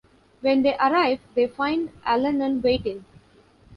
When they arrive, they find Allanon waiting.